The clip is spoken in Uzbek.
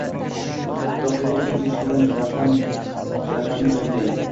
biroq virusdan choʼchigan ramaqijonday